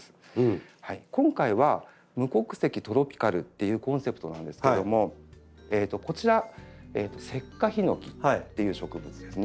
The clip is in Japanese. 今回は「無国籍トロピカル」っていうコンセプトなんですけどもこちら「石化ヒノキ」っていう植物ですね。